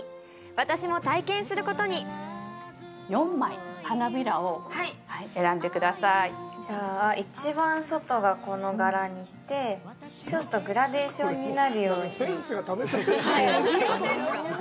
私も体験することに４枚花びらを選んでくださいじゃあ一番外がこの柄にしてちょっとグラデーションになるようにしようかな